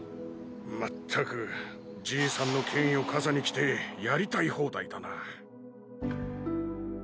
まったくじいさんの権威をかさに着てやりたい放題だな。